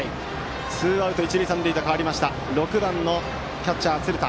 ツーアウト、一塁三塁となって６番のキャッチャー、鶴田。